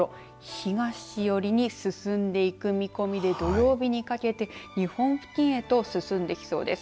東寄りに進んでいく見込みで土曜日にかけて日本付近へと進んできそうです。